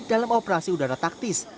dalam operasi udara taktis